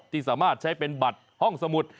ที่สามารถใช้เป็นบัตรห้องสมุด